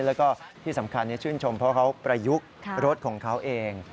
แล้วก็ที่สำคัญชื่นชมเพราะเขาประยุกต์รถของเขาเอง